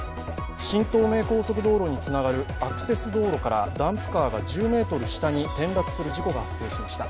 新東名高速道路につながるアクセス道路からダンプカーが１０ｍ下に転落する事故が発生しました。